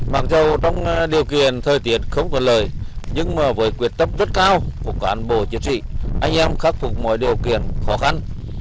mặc dù trong điều kiện thời tiết không có lời nhưng mà với quyết tâm rất cao của cản bộ chỉ huy anh em khắc phục mọi điều kiện khó khăn